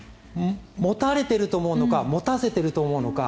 持たれると思うのか持たせてると思うのか